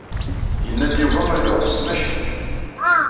Yenna-d Yuba ad iṛuḥ s tmacint.